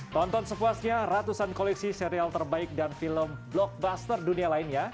tonton sepuasnya ratusan koleksi serial terbaik dan film blockbuster dunia lainnya